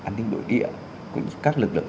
an ninh nội địa các lực lượng